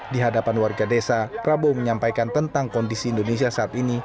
di hadapan warga desa prabowo menyampaikan tentang kondisi indonesia saat ini